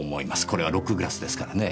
これはロックグラスですからね。